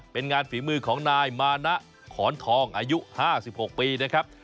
เป็นงานฝีมือของนายมานะขอนทองอายุ๕๖ปีนะครับ